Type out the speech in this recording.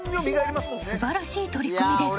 素晴らしい取り組みです。